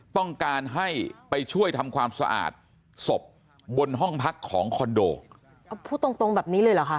ต้องการให้ไปช่วยทำความสะอาดศพบนห้องพักของคอนโดเอาพูดตรงตรงแบบนี้เลยเหรอคะ